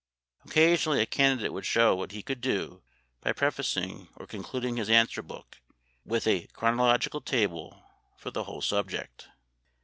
Occasionally a candidate would show what he could do by prefacing or concluding his answer book with a chronological table for the whole subject.